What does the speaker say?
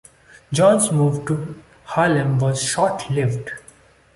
Jones's move to Harlem was short-lived.